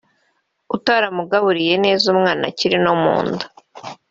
utaramugaburiye neza umwana akiri no mu nda